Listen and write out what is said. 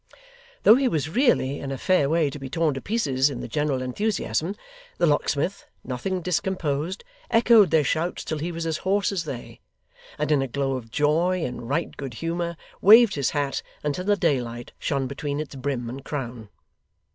Though he was really in a fair way to be torn to pieces in the general enthusiasm, the locksmith, nothing discomposed, echoed their shouts till he was as hoarse as they, and in a glow of joy and right good humour, waved his hat until the daylight shone between its brim and crown.